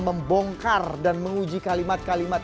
membongkar dan menguji kalimat kalimat